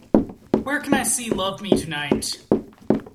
Where can i see Love Me Tonight